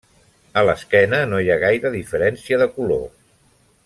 A l'esquena no hi ha gaire diferència de color.